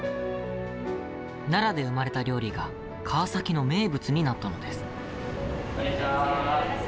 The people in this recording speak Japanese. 奈良で生まれた料理が川崎の名物になったのです。